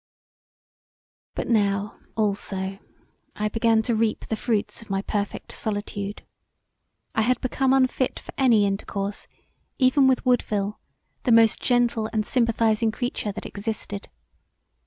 But now also I began to reap the fruits of my perfect solitude. I had become unfit for any intercourse, even with Woodville the most gentle and sympathizing creature that existed.